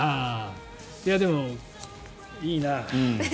でも、いいな。